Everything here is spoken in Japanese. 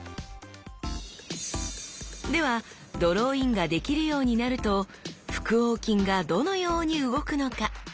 ではドローインができるようになると腹横筋がどのように動くのか？